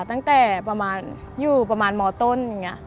ตั้งแต่ประมาณอยู่ประมาณมต้นอย่างนี้